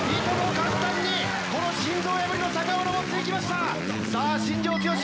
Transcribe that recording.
簡単にこの心臓破りの坂を上っていきましたさあ新庄剛志